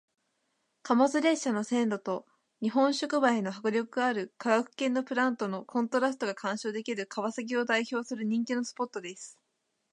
貨物列車の線路と日本触媒の迫力ある化学系のプラントのコントラストが鑑賞できる川崎を代表する人気のスポットです。